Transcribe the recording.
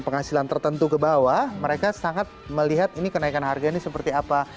penghasilan tertentu ke bawah mereka sangat melihat ini kenaikan harga ini seperti apa